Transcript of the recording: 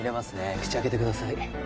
口開けてください